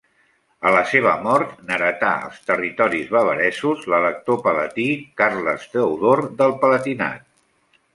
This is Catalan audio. A la seva mort n'heretà els territoris bavaresos l'elector palatí, Carles Teodor del Palatinat.